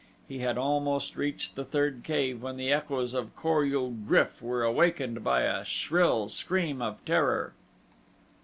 He had almost reached the third cave when the echoes of Kor ul GRYF were awakened by a shrill scream of terror.